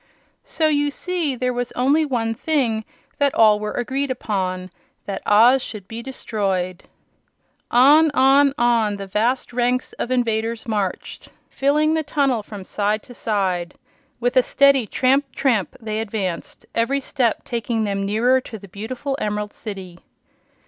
So you see there was only one thing that all were agreed upon that Oz should be destroyed. On, on, on the vast ranks of invaders marched, filling the tunnel from side to side. With a steady tramp, tramp, they advanced, every step taking them nearer to the beautiful Emerald City.